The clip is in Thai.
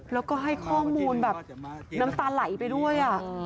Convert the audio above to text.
แล้วก็ให้ข้อมูลแบบน้ำตาไหลไปด้วย